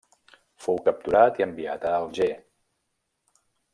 Fou capturat i enviat a Alger.